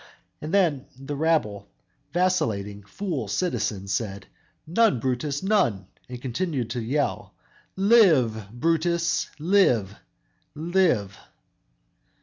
And then the rabble, vacillating, fool citizens said, "None, Brutus, none," and continue to yell, "Live, Brutus, live! live!"